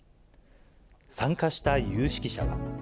参加した有識者は。